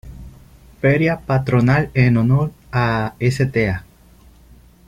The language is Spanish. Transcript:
Feria Patronal en honor a Sta.